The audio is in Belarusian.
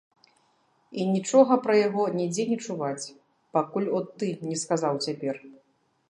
І нічога пра яго нідзе не чуваць, пакуль от ты не сказаў цяпер.